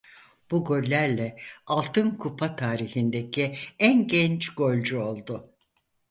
Bu gollerle Altın Kupa tarihindeki en genç golcü oldu.